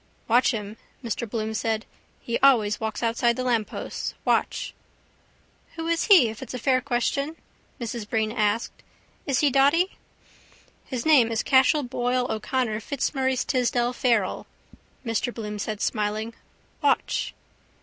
—Watch him, Mr Bloom said. He always walks outside the lampposts. Watch! —Who is he if it's a fair question? Mrs Breen asked. Is he dotty? —His name is Cashel Boyle O'Connor Fitzmaurice Tisdall Farrell, Mr Bloom said smiling. Watch!